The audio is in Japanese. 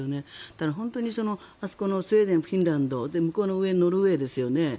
ただ、本当にスウェーデンとフィンランド向こうの上ノルウェーですよね。